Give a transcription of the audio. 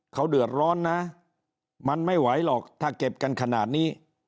เขาเดือดร้อนนะมันไม่ไหวหรอกถ้าเก็บกันขนาดนี้